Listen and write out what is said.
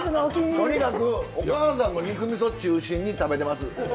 とにかくおかあさんの肉みそ中心に食べてます。